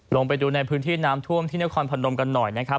ลงไปดูในพื้นที่น้ำท่วมที่นครพนมกันหน่อยนะครับ